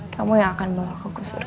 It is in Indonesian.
kamu yang akan membawa aku ke surga